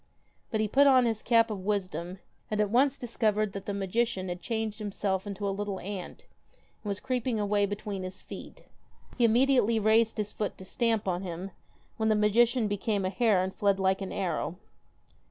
But he put on his cap of wisdom, and at once dis covered that the magician had changed himself into a little ant that was creeping away between his feet. He immediately raised his foot to stamp on him, when the magician became a hare and fled like an arrow.